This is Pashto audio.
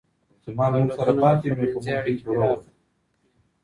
دولتونه به خپلمنځي اړيکي پراخي کړي.